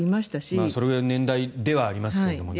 それぐらいの年代ではありますが。